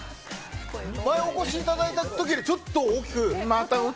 前お越しいただいた時よりちょっと大きく。